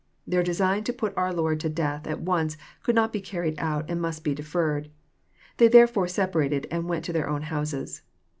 Their design to put our Lord to death at once could not be carried out, and must be deferred. They therefore separated and went to their own houses.